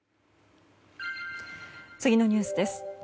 次のニュースです。